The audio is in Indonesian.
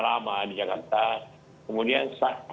lama di jakarta kemudian